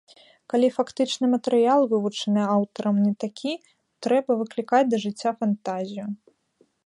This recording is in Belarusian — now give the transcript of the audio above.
Калі фактычны матэрыял, вывучаны аўтарам, не такі, то трэба выклікаць да жыцця фантазію.